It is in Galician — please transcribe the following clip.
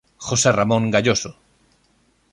José Ramón Gayoso